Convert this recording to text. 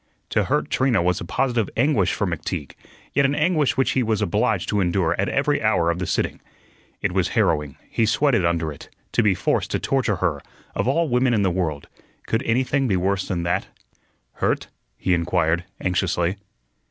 To hurt Trina was a positive anguish for McTeague, yet an anguish which he was obliged to endure at every hour of the sitting. It was harrowing he sweated under it to be forced to torture her, of all women in the world; could anything be worse than that? "Hurt?" he inquired, anxiously.